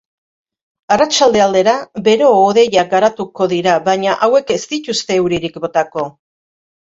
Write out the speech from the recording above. Arratsalde aldera, bero-hodeiak garatuko dira baina hauek ez dituzte euririk botako.